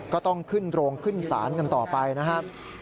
ก็ต้องขึ้นโรงขึ้นศาลกันต่อไปนะครับ